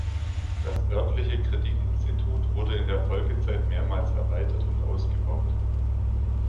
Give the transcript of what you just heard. Das örtliche Kreditinstitut wurde in der Folgezeit mehrmals erweitert und ausgebaut.